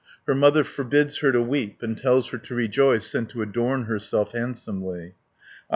Her mother forbids her to weep, and tells her to rejoice, and to adorn herself handsomely (117 188).